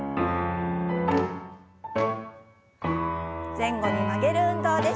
前後に曲げる運動です。